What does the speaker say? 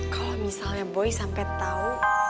kalau misalnya boy sampai tahu